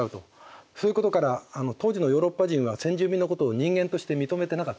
そういうことから当時のヨーロッパ人は先住民のことを人間として認めてなかったんです。